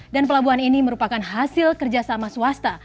dan pelabuhan ini merupakan hasil kerjasama swasta